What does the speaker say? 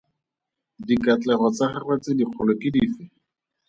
Dikatlego tsa gagwe tse dikgolo ke dife?